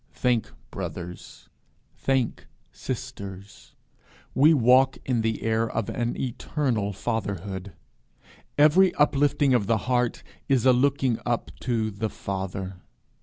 Think, brothers, think, sisters, we walk in the air of an eternal fatherhood. Every uplifting of the heart is a looking up to The Father.